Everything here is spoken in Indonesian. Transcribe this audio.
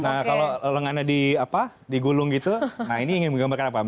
nah kalau lengana di apa di gulung gitu nah ini ingin menggambarkan apa